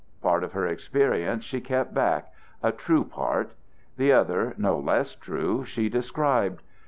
Part of her experience she kept back, a true part; the other, no less true, she described.